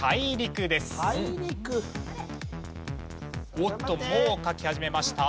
おっともう書き始めました。